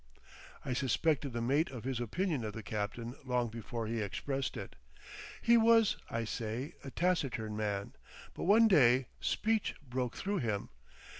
I suspected the mate of his opinion of the captain long before he expressed it. He was, I say, a taciturn man, but one day speech broke through him.